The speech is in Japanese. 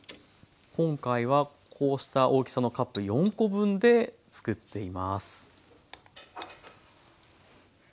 今回はこうした大きさのカップ４コ分でつくっています。